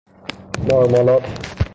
مارمالاد